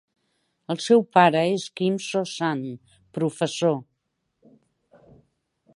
El seu pare és Kim Soo-Sun, professor.